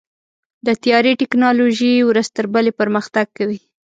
د طیارې ټیکنالوژي ورځ تر بلې پرمختګ کوي.